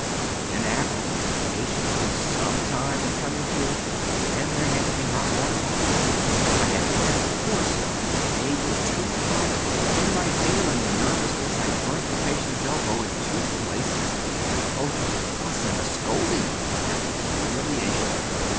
But then afterwards the patient was some time in coming to, and there had to be hot water bottles. I had them ready of course; but they were too hot, and in my zeal and nervousness I burnt the patient's elbow in two places. Oh! the fuss, and the scolding, and the humiliation!